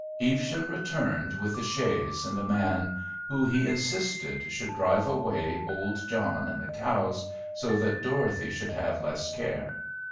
Evesham returned with the chaise and a man, who, he insisted, should drive away old John and the cows, so that Dorothy should have less care.